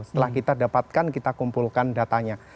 setelah kita dapatkan kita kumpulkan datanya